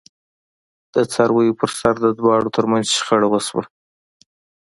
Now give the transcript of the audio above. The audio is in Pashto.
د څارویو پرسر د دواړو ترمنځ شخړه وشوه.